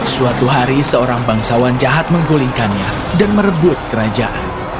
suatu hari seorang bangsawan jahat menggulingkannya dan merebut kerajaan